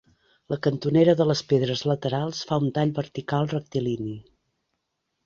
La cantonera de les pedres laterals fa un tall vertical rectilini.